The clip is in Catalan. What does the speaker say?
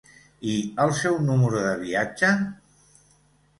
I el seu número de viatge?